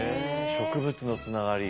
植物のつながり。